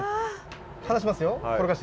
離しますよ転がして下さい。